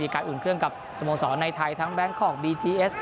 การอุ่นเครื่องกับสโมสรในไทยทั้งแบงคอกบีทีเอส